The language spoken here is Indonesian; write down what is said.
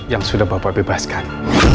yang sudah bapak bebaskan